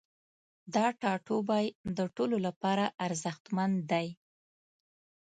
دا ټاتوبی د ټولو لپاره ارزښتمن دی